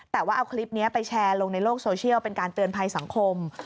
แต่ว่าเอาคลิปนี้ไปแชร์ลงในโลกโซเชียลเป็นการเตือนภัยสังคม